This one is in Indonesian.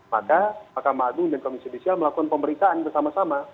maka mahkamah agung dan komisi judisial melakukan pemberitaan bersama sama